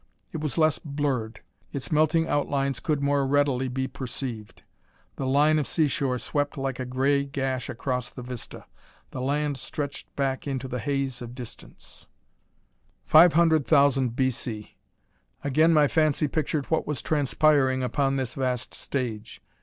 It was less blurred; its melting outlines could more readily be perceived. The line of seashore swept like a gray gash across the vista. The land stretched back into the haze of distance. 500,000 B. C. Again my fancy pictured what was transpiring upon this vast stage.